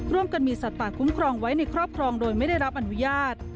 ร่วมกันมีสัตว์ป่าคุ้มครองไว้ในครอบครองโดยไม่ได้รับอนุญาต